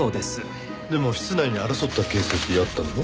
でも室内に争った形跡があったんだろ？